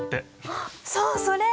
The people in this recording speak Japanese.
あっそうそれ！